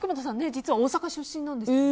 実は大阪出身なんですよね。